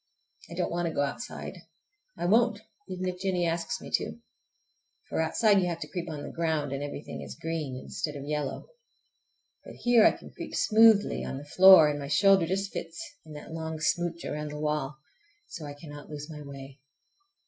I don't want to go outside. I won't, even if Jennie asks me to. For outside you have to creep on the ground, and everything is green instead of yellow. But here I can creep smoothly on the floor, and my shoulder just fits in that long smooch around the wall, so I cannot lose my way.